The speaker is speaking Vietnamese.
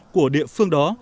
của địa phương đó